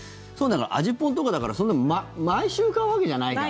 味ぽんとか、だからそんな毎週買うわけじゃないからね。